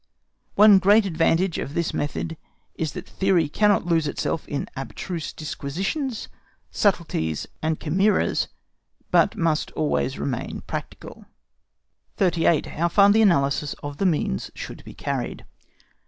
One great advantage of this method is that theory cannot lose itself in abstruse disquisitions, subtleties, and chimeras, but must always remain practical. 38. HOW FAR THE ANALYSIS OF THE MEANS SHOULD BE CARRIED.